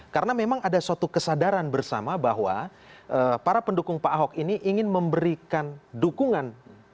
karena memang ada suatu kesadaran bersama bahwa para pendukung pak ahok ini ingin memberikan dukungan